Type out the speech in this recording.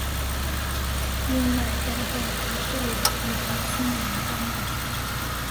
另外该报还设有地方新闻专版。